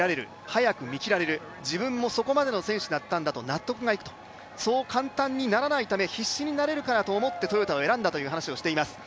早く見切られる、自分もそこまでの選手だったんだと納得がいくと、そう簡単にならないため、必死になれるためトヨタを選んだという話をしています。